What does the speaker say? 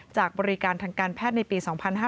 จากบริการทางการแพทย์ในปี๒๕๕๙